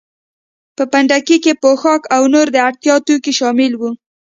په پنډکي کې پوښاک او نور د اړتیا توکي شامل وو.